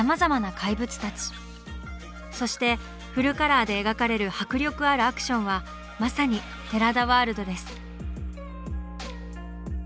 そしてフルカラーで描かれる迫力あるアクションはまさに寺田ワールドです。